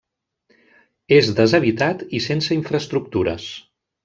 És deshabitat i sense infraestructures.